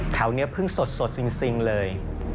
แถวนี้เพิ่งสดสิ่งเลย